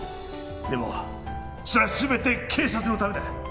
でもそれは全て警察のためだ！